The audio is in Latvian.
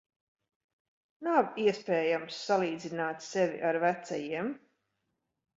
Nav iespējams salīdzināt sevi ar vecajiem.